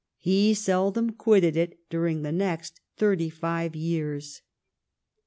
He seldom quitted it during the next thirty five years.